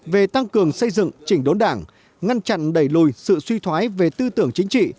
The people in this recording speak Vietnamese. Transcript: về tăng cường xây dựng chỉnh đốn đảng ngăn chặn đẩy lùi sự suy thoái về tư tưởng chính trị